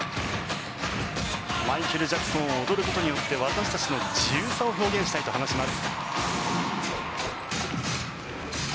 マイケル・ジャクソンを踊ることによって私たちの自由さを表現したいと話します。